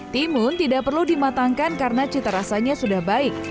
timun tidak perlu dimatangkan karena cita rasanya sudah baik